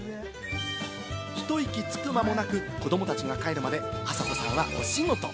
ひと息つく間もなく、子どもたちが帰るまで朝子さんはお仕事。